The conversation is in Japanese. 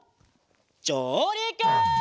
じょうりく！